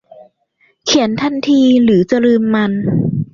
เขียนทันทีหรือจะลืมมัน